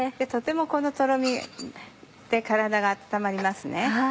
とてもこのとろみで体が温まりますね。